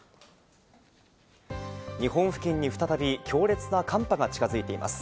日本付近に再び強烈な寒波が近づいています。